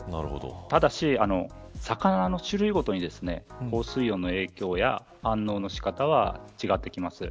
ただし、魚の種類ごとに降水量の影響や反応の仕方は違ってきます。